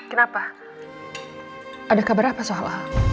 hai ma kenapa ada kabar apa soal